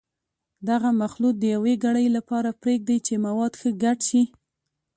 دغه مخلوط د یوې ګړۍ لپاره پرېږدئ چې مواد ښه ګډ شي.